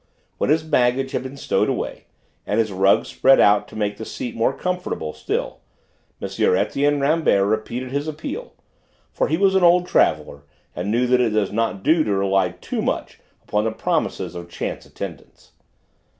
When his baggage had been stowed away, and his rugs spread out to make the seat more comfortable still, M. Etienne Rambert repeated his appeal, for he was an old traveller and knew that it does not do to rely too much upon the promises of chance attendants.